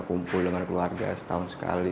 kumpul dengan keluarga setahun sekali